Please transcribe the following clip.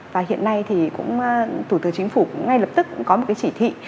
và hiện nay thì cũng thủ tướng chính phủ ngay lập tức cũng có một cái chỉ thị